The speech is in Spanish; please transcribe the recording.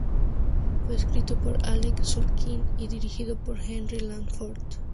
Fue escrito por Alec Sulkin y dirigido por Jerry Langford.